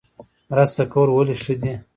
مرسته کول ولې ښه دي؟